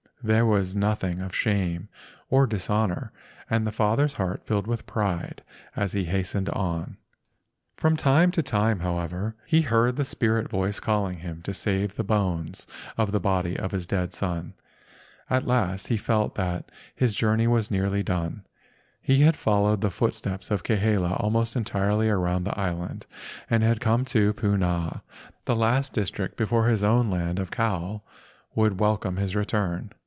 There was nothing of shame or dishonor—and the father's heart filled with pride as he hastened on. From time to time, however, he heard the spirit voice calling him to save the bones of the body of his dead son. At last he felt that his journey was nearly done. He had followed the footsteps of Kahele almost entirely around the island, and had come to Puna—the last district before his own land of Kau would welcome his return.